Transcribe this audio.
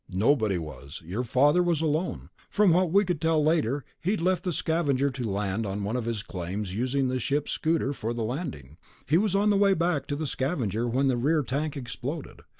"Nobody was. Your father was alone. From what we could tell later, he'd left the Scavenger to land on one of his claims, using the ship's scooter for the landing. He was on the way back to the Scavenger when the rear tank exploded.